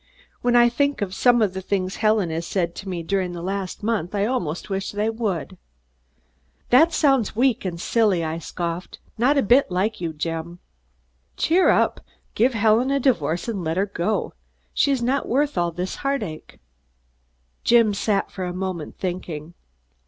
When I think of some of the things Helen has said to me during the last month, I almost wish they would." "That sounds weak and silly," I scoffed; "not a bit like you, Jim. Cheer up! Give Helen a divorce and let her go! She's not worth all this heartache." Jim sat for a moment thinking.